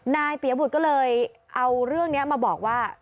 เปียบุตรก็เลยเอาเรื่องนี้มาบอกว่า